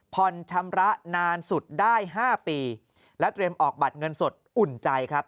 ผ่อนชำระนานสุดได้๕ปีและเตรียมออกบัตรเงินสดอุ่นใจครับ